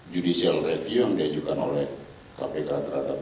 judicial review yang diajukan oleh kpk terhadap